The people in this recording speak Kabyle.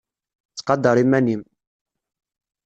Ttqadar iman-im!